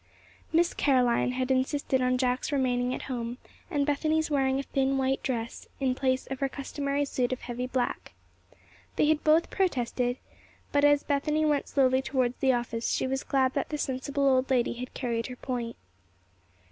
Miss Caroline had insisted on Jack's remaining at home, and Bethany's wearing a thin white dress in place of her customary suit of heavy black. They had both protested, but as Bethany went slowly towards the office she was glad that the sensible old lady had carried her point.